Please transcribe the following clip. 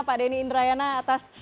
pak denny indrayana atas